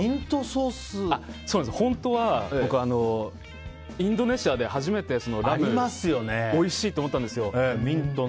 本当は僕、インドネシアで初めて、ラムがおいしいと思ったんですよ。